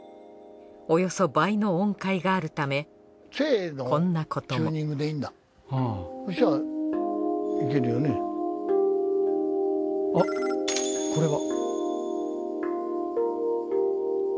およそ倍の音階があるためこんなこともあっこれは。